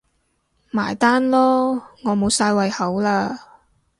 埋單囉，我無晒胃口喇